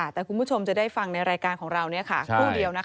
แต่คุณผู้ชมจะได้ฟังในรายการของเราครู่เดียว